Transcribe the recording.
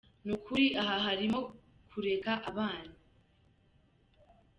Ni ukuri aha harimo koreka abana.